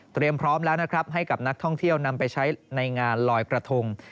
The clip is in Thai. เตรียมพร้อมแล้วให้กับนักท่องเที่ยวนำไปใช้ในงานลอยกระทง